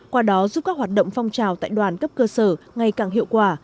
qua đó giúp các hoạt động phong trào tại đoàn cấp cơ sở ngày càng hiệu quả